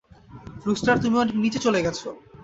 Rooster, তুমি অনেক নিচে চলে গেছো।